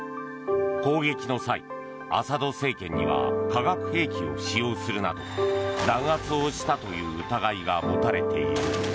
攻撃の際、アサド政権には化学兵器を使用するなど弾圧をしたという疑いが持たれている。